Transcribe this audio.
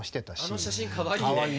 あの写真かわいいね。